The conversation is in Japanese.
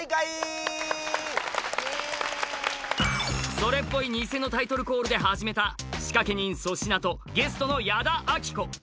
それっぽい偽のタイトルコールで始めた仕掛人・粗品とゲストの矢田亜希子。